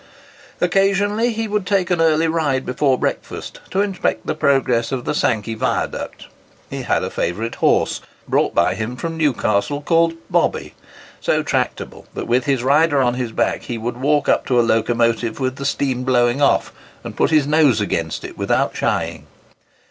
Occasionally he would take an early ride before breakfast, to inspect the progress of the Sankey viaduct. He had a favourite horse, brought by him from Newcastle, called "Bobby,"—so tractable that, with his rider on his back, he would walk up to a locomotive with the steam blowing off, and put his nose against it without shying.